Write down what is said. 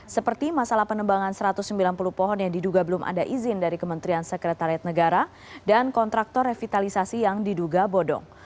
seperti masalah penembangan satu ratus sembilan puluh pohon yang diduga belum ada izin dari kementerian sekretariat negara dan kontraktor revitalisasi yang diduga bodong